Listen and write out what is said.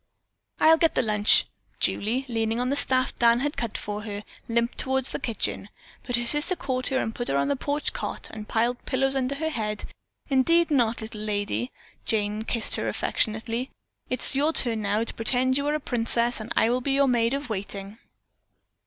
"I'll get the lunch." Julie, leaning on the staff Dan had cut for her, limped toward the kitchen, but her sister caught her and put her on the porch cot and piled pillows under her head. "Indeed not, little lady." Jane kissed her affectionately. "It's your turn now to pretend you are a princess and I will be your maid of waiting."